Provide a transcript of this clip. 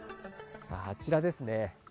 あちらですね。